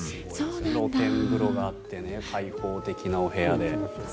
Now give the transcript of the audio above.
露天風呂があって開放的なお部屋で。